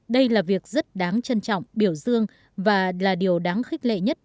đây là việc rất đáng trân trọng biểu dương và là điều đáng khích lệ nhất